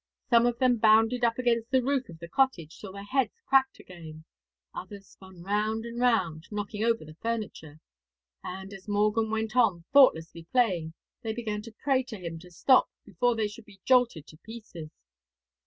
Some of them bounded up against the roof of the cottage till their heads cracked again; others spun round and round, knocking over the furniture; and, as Morgan went on thoughtlessly playing, they began to pray to him to stop before they should be jolted to pieces.